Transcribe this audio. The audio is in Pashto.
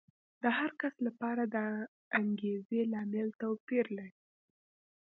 د هر کس لپاره د انګېزې لامل توپیر لري.